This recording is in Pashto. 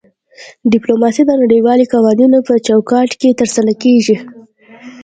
ډیپلوماسي د نړیوالو قوانینو په چوکاټ کې ترسره کیږي